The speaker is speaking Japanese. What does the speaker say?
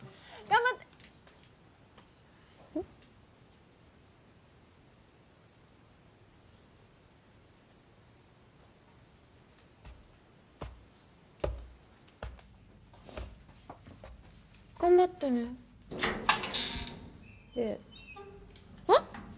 頑張ってねねえうんっ？